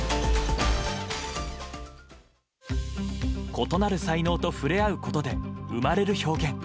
異なる才能と触れ合うことで生まれる表現。